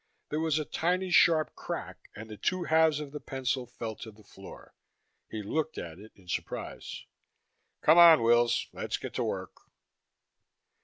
There was a tiny sharp crack and the two halves of the pencil fell to the floor. He looked at it in surprise. "Come on, Wills. Let's get to work."